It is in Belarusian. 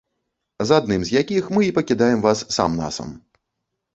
З адным з якіх мы і пакідаем вас сам-насам.